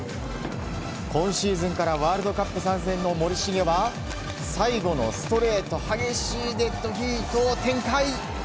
今シーズンからワールドカップ参戦の森重は最後のストレート激しいデッドヒートを展開！